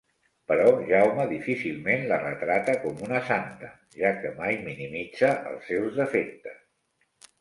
Però Jaume difícilment la retrata com una santa, ja que mai minimitza els seus defectes.